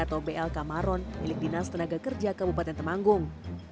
atau blk maron milik dinas tenaga kerja kabupaten temanggung